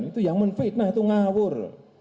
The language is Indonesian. itu yang menfitnah itu ngawur